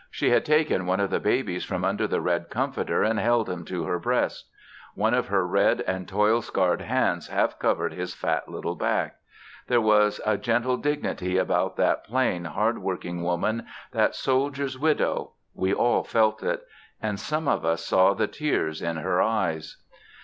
She had taken one of the babies from under the red comforter and held him to her breast. One of her red and toil scarred hands half covered his fat little back. There was a gentle dignity about that plain, hard working woman, that soldier's widow we all felt it. And some of us saw the tears in her eyes.